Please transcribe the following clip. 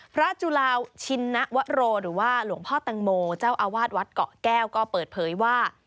จุลาวชินนวโรหรือว่าหลวงพ่อแตงโมเจ้าอาวาสวัดเกาะแก้วก็เปิดเผยว่า